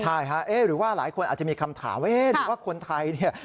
ใช่ค่ะเอ๊ะหรือว่าหลายคนอาจจะมีคำถามว่าเอ๊ะหรือว่าคนไทยเนี่ย